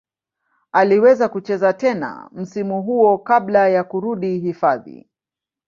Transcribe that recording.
Aliweza kucheza tena msimu huo kabla ya kurudi hifadhi.